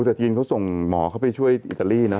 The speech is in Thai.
แต่จีนเขาส่งหมอเขาไปช่วยอิตาลีนะ